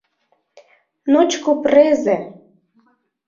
Ночко презе!